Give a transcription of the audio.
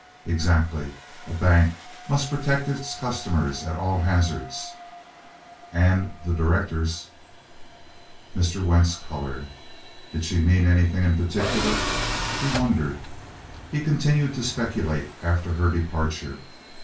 "Exactly! A bank must protect its customers at all hazards." "And the directors." Mr. Wentz colored. Did she mean anything in particular? He wondered. He continued to speculate after her departure.